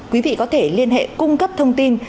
quý vị có thể liên hệ cung cấp thông tin